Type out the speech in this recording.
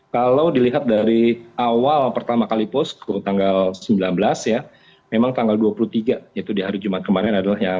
kalau dilihat dari awal pertama kali posko tanggal sembilan belas ya memang tanggal dua puluh tiga yaitu di hari jumat kemarin adalah yang